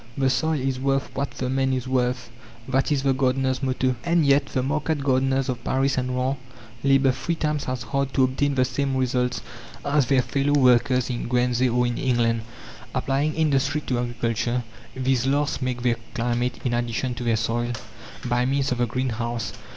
"The soil is worth what the man is worth," that is the gardeners' motto. And yet the market gardeners of Paris and Rouen labour three times as hard to obtain the same results as their fellow workers in Guernsey or in England. Applying industry to agriculture, these last make their climate in addition to their soil, by means of the greenhouse.